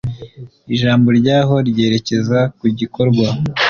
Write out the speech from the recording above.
ijambo ryaho ryerekeza ku gikorwa